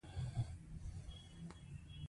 زه خپل وطن له نورو هېوادونو سره پرتله کوم او ویاړم.